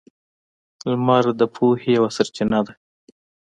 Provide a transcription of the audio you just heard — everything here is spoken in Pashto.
• لمر د پوهې یوه سرچینه ده.